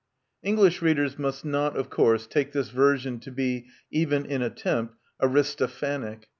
English readers must not, of course, take this version to be, even in attempt, Aristophanic.